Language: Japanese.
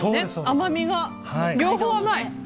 甘みが両方甘い！